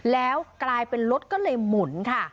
แล้วกลายเป็นรถก็เลยหมุนค่ะ